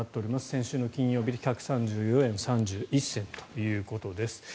先週の金曜日１３４円３１銭ということです。